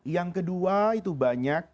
yang kedua itu banyak